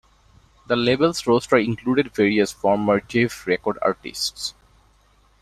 The label's roster included various former Jive Records artists.